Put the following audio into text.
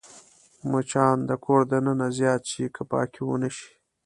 مچان د کور دننه زیات شي که پاکي ونه شي